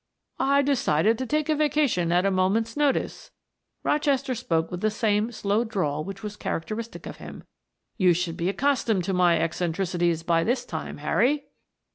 "I decided to take a vacation at a moment's notice." Rochester spoke with the same slow drawl which was characteristic of him. "You should be accustomed to my eccentricities by this time, Harry."